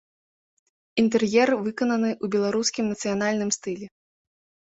Інтэр'ер выкананы ў беларускім нацыянальным стылі.